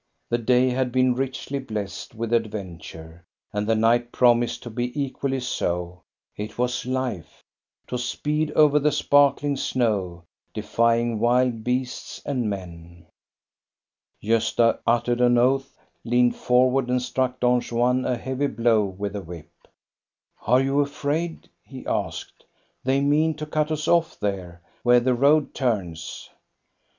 The day had been richly blessed with adventure, and the night promised to be equally so. It was life, — to speed over the sparkling snow, defying wild beasts and men. Gosta uttered an oath, leaned forward, and struck Don Juan a heavy blow with the whip. "Are you afraid?" he asked. "They mean to cut us off there, where the road turns."